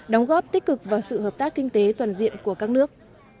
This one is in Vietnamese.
đóng góp tích cực vào sự hợp tác kinh tế toàn diện của các nước